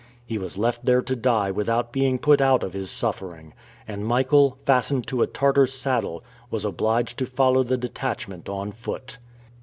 He was left there to die without being put out of his suffering, and Michael, fastened to a Tartar's saddle, was obliged to follow the detachment on foot.